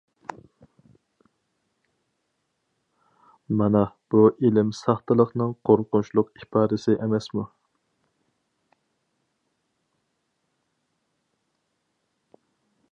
مانا بۇ، ئىلىم ساختىلىقىنىڭ قورقۇنچلۇق ئىپادىسى ئەمەسمۇ؟!